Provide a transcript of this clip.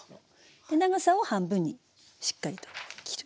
長さを半分にしっかりと切る。